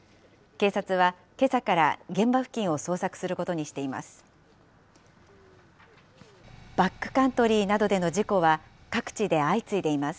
警察はけさから現場付近を捜索することにしています。